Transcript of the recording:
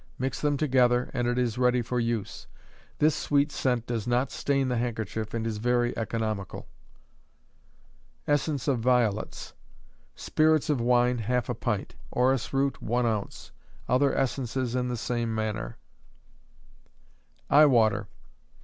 Mix them together, and it is ready for use. This sweet scent does not stain the handkerchief and is very economical. Essence of Violets. Spirits of wine, half a pint; orris root, one ounce. Other essences in the same manner. _Eye Water.